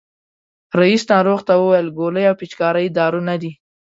رئیس ناروغ ته وویل ګولۍ او پيچکاري دارو نه دي.